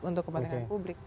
untuk kepentingan publik